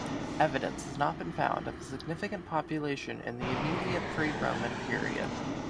Evidence has not been found of a significant population in the immediate pre-Roman period.